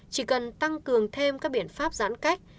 chỉ cần tăng cường thêm các biện pháp giãn cách